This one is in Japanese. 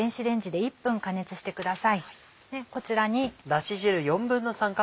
でこちらに。